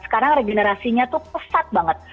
sekarang regenerasinya tuh pesat banget